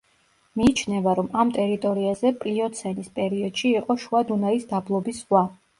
მიიჩნევა, რომ ამ ტერიტორიაზე პლიოცენის პერიოდში იყო შუა დუნაის დაბლობის ზღვა.